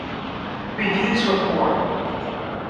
Reviews were poor.